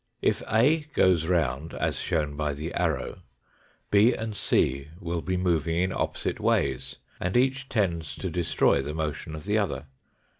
If A goes round, as shown by the arrow, B and C will be moving in opposite ways, and each tends to de stroy the motion of the other.